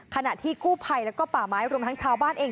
ขณะที่กู้ภัยแล้วก็ป่าไม้รวมทั้งชาวบ้านเอง